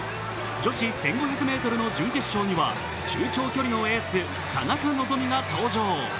女子１５００ｍの準決勝には中長距離のエース、田中希実が登場。